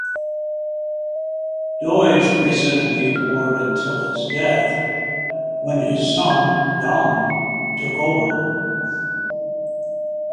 Doig presented the award until his death, when his son, Don, took over.